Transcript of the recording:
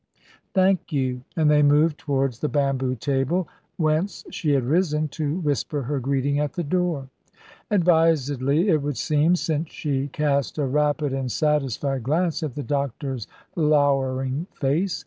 "Thank you," and they moved towards the bamboo table, whence she had risen to whisper her greeting at the door. Advisedly it would seem, since she cast a rapid and satisfied glance at the doctor's lowering face.